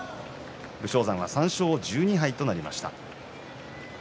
武将山は３勝１２敗となりました。